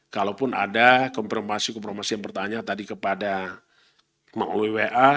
kalaupun ada kompromisi kompromisi yang bertanya tadi kepada muwa